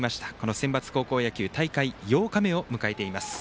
センバツ高校野球大会８日目を迎えています。